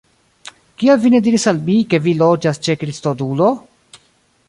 Kial vi ne diris al mi, ke vi loĝas ĉe Kristodulo?